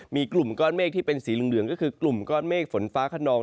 มีกลุ่มก้อนเมฆที่เป็นสีเหลืองก็คือกลุ่มก้อนเมฆฝนฟ้าขนอง